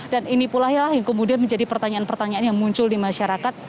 dan ini pula yang kemudian menjadi pertanyaan pertanyaan yang muncul di masyarakat